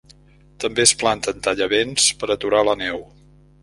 També es planten tallavents per aturar la neu.